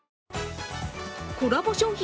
コラボ商品